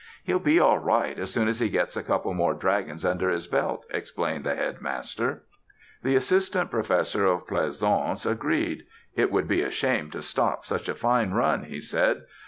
"He'll be all right as soon as he gets a couple more dragons under his belt," explained the Headmaster. The Assistant Professor of Pleasaunce agreed. "It would be a shame to stop such a fine run," he said.